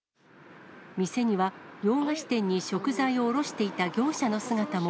店には、洋菓子店に食材を降ろしていた業者の姿も。